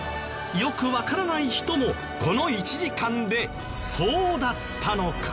よくわからない人もこの１時間で「そうだったのか！」。